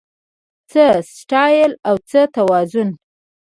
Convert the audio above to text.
څه سټایل او څه توازن